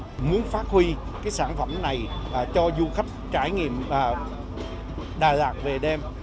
chúng tôi muốn phát huy sản phẩm này cho du khách trải nghiệm đà lạt về đêm